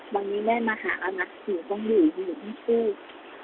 วันนี้แม่มาหาอาณะหนูต้องอยู่หนูต้องพูด